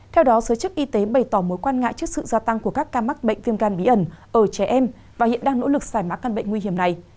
theo đó giới chức y tế bày tỏ mối quan ngại trước sự gia tăng của các ca mắc bệnh viêm gan bí ẩn ở trẻ em và hiện đang nỗ lực giải mã căn bệnh nguy hiểm này